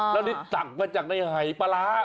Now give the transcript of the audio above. และนี่ต่อก็มาจากในไหยปะร้า